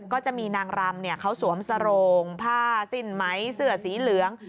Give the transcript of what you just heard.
ก็จะมีนางรำเขาสวมสโรงผ้าสิ้นไหมเสื้อสีเหลือง